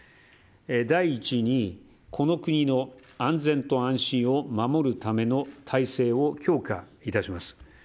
第１に、この国の安全と安心を守るための体制を強化いたします。